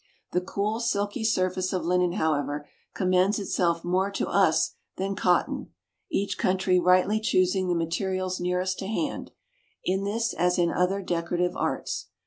The cool silky surface of linen, however, commends itself more to us than cotton, each country rightly choosing the materials nearest to hand, in this as in other decorative arts.